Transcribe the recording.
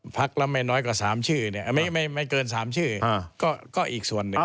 พักแล้วไม่น้อยกว่า๓ชื่อเนี่ยไม่เกิน๓ชื่อก็อีกส่วนหนึ่ง